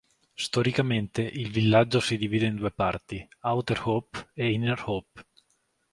Storicamente, il villaggio si divide in due parti, Outer Hope e Inner Hope.